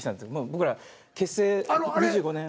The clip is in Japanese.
僕ら結成２５年。